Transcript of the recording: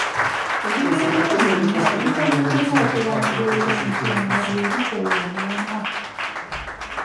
Ebigambo byonna ebikozesebwa okulambulula ensonga bye bikola omulamwa.